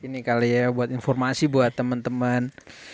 ini kali ya buat informasi buat temen temen